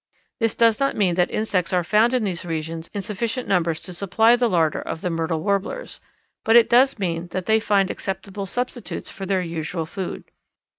This does not mean that insects are found in these regions in sufficient numbers to supply the larder of the Myrtle Warblers, but it does mean that they find acceptable substitutes for their usual food.